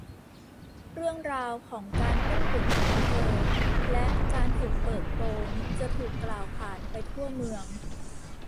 เรื่องราวของการต้มตุ๋นของเธอ และการถูกเปิดโปงจะถูกกล่าวขานไปทั่วเมือง